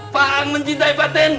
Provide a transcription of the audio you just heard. fa'an mencintai fatin